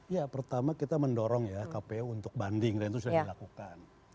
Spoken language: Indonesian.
ya pertama kita mendorong ya kpu untuk banding dan itu sudah dilakukan